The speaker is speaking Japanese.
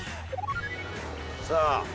さあ。